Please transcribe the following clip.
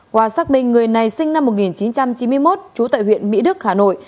qua xác minh người này sinh năm một nghìn chín trăm chín mươi một trú tại huyện mỹ đức hà nội